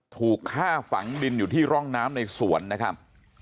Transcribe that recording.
ถูกฆ่าฝังดินอยู่ที่ร่องน้ำในสวนนะครับ